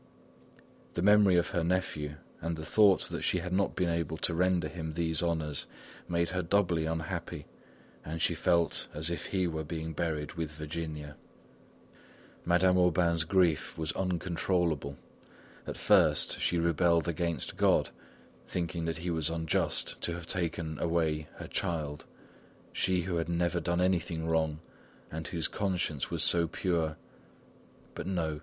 The memory of her nephew, and the thought that she had not been able to render him these honours, made her doubly unhappy, and she felt as if he were being buried with Virginia. Madame Aubain's grief was uncontrollable. At first she rebelled against God, thinking that he was unjust to have taken away her child she who had never done anything wrong, and whose conscience was so pure! But no!